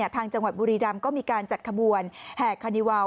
ทางจังหวัดบุรีรำก็มีการจัดขบวนแห่คานิวาว